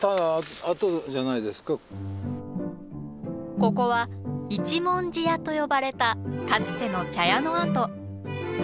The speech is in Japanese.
ここは一文字屋と呼ばれたかつての茶屋の跡。